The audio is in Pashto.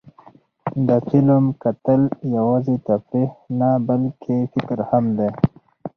د فلم کتل یوازې تفریح نه، بلکې فکر هم دی.